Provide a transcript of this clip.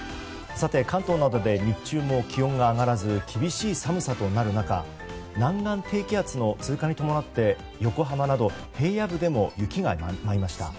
関東などで日中も気温が上がらず厳しい寒さとなる中南岸低気圧の通過に伴って横浜など平野部でも雪が舞いました。